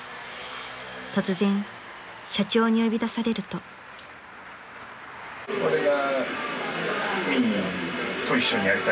［突然社長に呼び出されると］俺が。